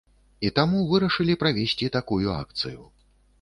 І таму вырашылі правесці такую акцыю.